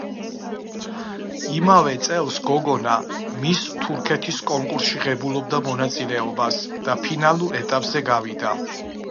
იმავე წელს გოგონა „მის თურქეთის“ კონკურსში ღებულობდა მონაწილეობას და ფინალურ ეტაპზე გავიდა.